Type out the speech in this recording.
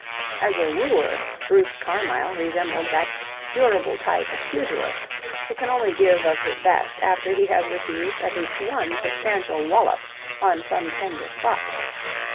As a wooer, Bruce Carmyle resembled that durable type of pugilist who can only give of his best after he has received at least one substantial wallop on some tender spot.